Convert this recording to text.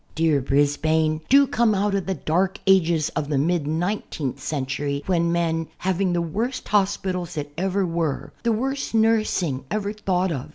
Dear Brisbane, do come out of the dark ages of the mid nineteenth century when men — having the worst hospitals that ever were, the worst nursing ever thought of.